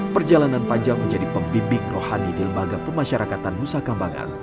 perjalanan panjang menjadi pembimbing rohani di lembaga pemasyarakatan nusa kambangan